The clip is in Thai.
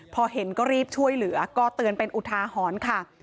พอเห็นก็รีบช่วยเหลือก็เตือนเป็นอุทาหรณ์ค่ะ